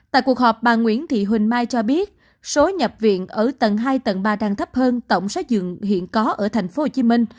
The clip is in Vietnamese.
tại cuộc họp bà nguyễn thị huỳnh mai cho biết số nhập viện ở tầng hai tầng ba đang thấp hơn tổng xác dựng hiện có ở tp hcm